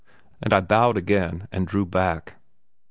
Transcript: ] and I bowed again and drew back.